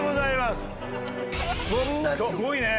すごいね。